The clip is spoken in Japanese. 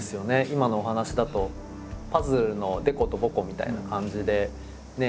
今のお話だとパズルのデコとボコみたいな感じでね